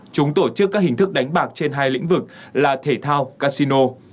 chúng tổ chức các hình thức đánh bạc trên hai lĩnh vực là thể thao casino